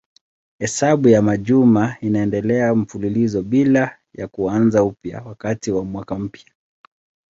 Hesabu ya majuma inaendelea mfululizo bila ya kuanza upya wakati wa mwaka mpya.